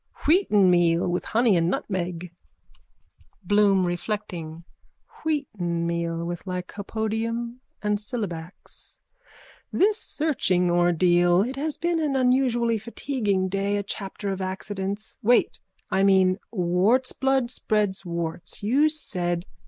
Wheatenmeal with honey and nutmeg. BLOOM: (Reflecting.) Wheatenmeal with lycopodium and syllabax. This searching ordeal. It has been an unusually fatiguing day, a chapter of accidents. Wait. I mean, wartsblood spreads warts, you said...